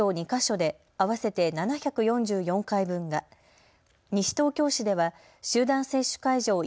２か所で合わせて７４４回分が、西東京市では集団接種会場